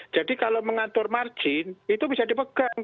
jadi kalau mengatur margin itu bisa dipegang